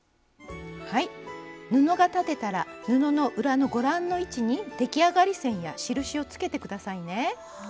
布が裁てたら布の裏のご覧の位置に出来上がり線や印をつけて下さいね。